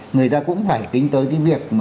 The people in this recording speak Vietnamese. người ta cũng phải tính tới cái việc